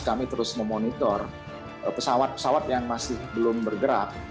kami terus memonitor pesawat pesawat yang masih belum bergerak